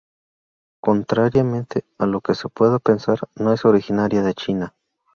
Contrariamente a lo que se pueda pensar, no es originaria de China.